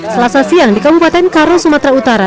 selasa siang di kabupaten karo sumatera utara